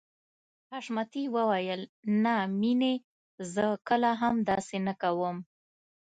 حشمتي وويل نه مينې زه کله هم داسې نه کوم.